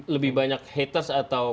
lebih banyak haters atau